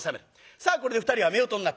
さあこれで２人は夫婦になった。